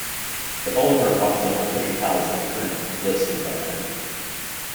The following are approximate unofficial tallies of current listings by county.